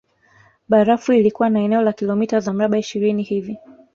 Barafu ilikuwa na eneo la kilomita za mraba ishirini hivi